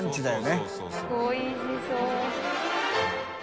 あっおいしそう。